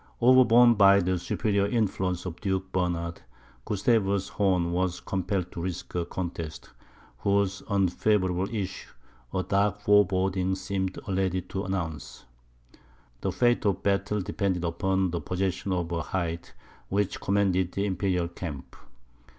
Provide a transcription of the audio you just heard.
Overborne by the superior influence of Duke Bernard, Gustavus Horn was compelled to risk a contest, whose unfavourable issue, a dark foreboding seemed already to announce. The fate of the battle depended upon the possession of a height which commanded the imperial camp.